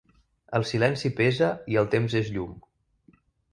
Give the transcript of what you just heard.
El silenci pesa i el temps és llum.